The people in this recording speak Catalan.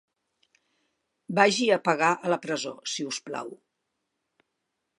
Vagi a pagar a la presó, si us plau.